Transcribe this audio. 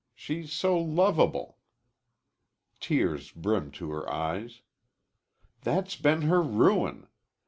She's so lovable." Tears brimmed to her eyes. "That's been her ruin.